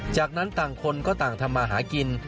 จากนั้นต่างคนก็ต่างทำมาหากิน